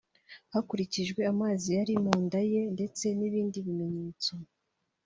hakurikijwe amazi yari mu nda ye ndetse n’ibindi bimenyetso